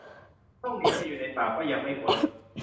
ต้องหนีมาอยู่ในป่าก็ยังไม่พ้น